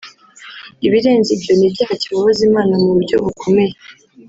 ibirenze ibyo ni icyaha kibabaza Imana mu buryo bukomeye